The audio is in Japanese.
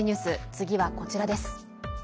次はこちらです。